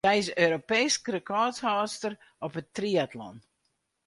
Sy is Europeesk rekôrhâldster op de triatlon.